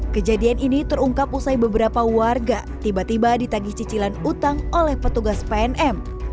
kejadian ini terungkap usai beberapa warga tiba tiba ditagih cicilan utang oleh petugas pnm